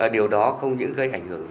điều đó không những gây ảnh hưởng